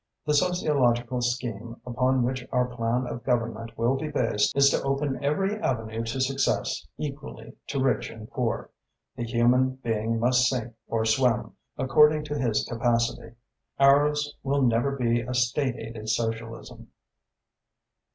The sociological scheme upon which our plan of government will be based is to open every avenue to success equally to rich and poor. The human being must sink or swim, according to his capacity. Ours will never be a State aided socialism."